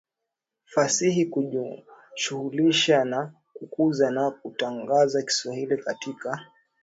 fasihi Kujishughulisha na kukuza na kukitangaza Kiswahili katika